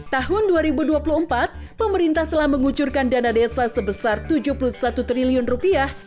tahun dua ribu dua puluh empat pemerintah telah mengucurkan dana desa sebesar tujuh puluh satu triliun rupiah